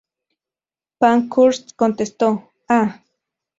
Pankhurst contestó: "¡Ah!